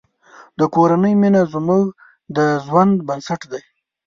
د کورنۍ مینه زموږ د ژوند بنسټ دی.